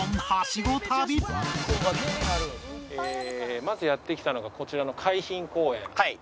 まずやって来たのがこちらの海浜公園です。